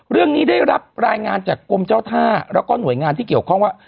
เรื่องนี้ได้รับรายงานจากกรมเจ้าท่าแล้วก็หน่วยงานที่เกี่ยวข้องว่า